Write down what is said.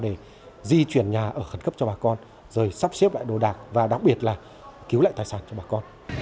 để di chuyển nhà ở khẩn cấp cho bà con rồi sắp xếp lại đồ đạc và đặc biệt là cứu lại tài sản cho bà con